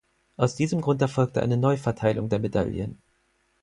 Aus diesem Grund erfolgte eine Neuverteilung der Medaillen.